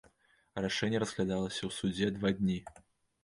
Рашэнне разглядалася ў судзе два дні.